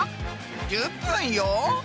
１０分よ。